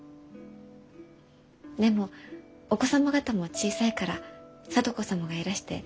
でもお子様方も小さいから聡子様がいらして喜ばれたでしょう？